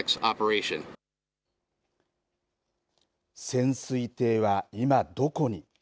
潜水艇は今どこに。